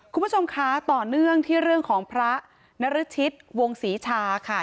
คุณผู้ชมคะต่อเนื่องที่เรื่องของพระนรชิตวงศรีชาค่ะ